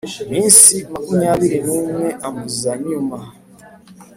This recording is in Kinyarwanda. iminsi makumyabiri n umwe ambuza Nyuma